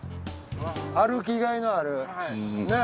歩きがいのあるねぇ。